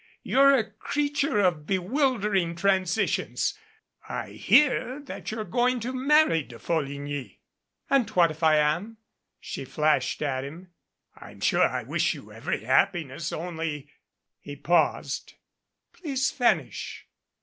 You're a creature of bewildering transitions. I hear that you're going to marry De Folligny." "And what if I am?" she flashed at him. "I'm sure I wish you every happiness. Only " He paused. "Please finish."